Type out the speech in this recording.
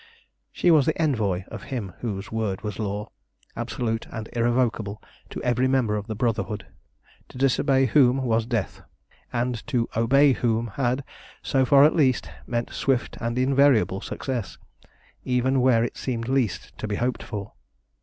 She was the envoy of him whose word was law, absolute and irrevocable, to every member of the Brotherhood; to disobey whom was death; and to obey whom had, so far at least, meant swift and invariable success, even where it seemed least to be hoped for.